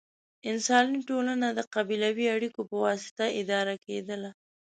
انساني ټولنه د قبیلوي اړیکو په واسطه اداره کېدله.